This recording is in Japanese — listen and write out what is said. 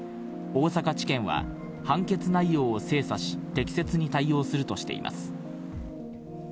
大阪地検は、判決内容を精査し、適切に対応するとしています。